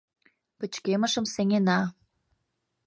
Пычкемышым сеҥена.